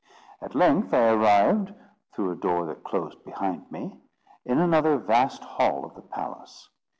At length I arrived, through a door that closed behind me, in another vast hall of the palace.